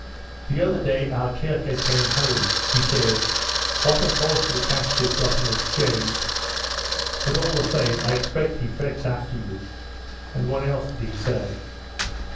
The other day our Kirka came home; he says: "What a horse Lukashka's got in exchange!" But all the same I expect he frets after you. And what else did he say?'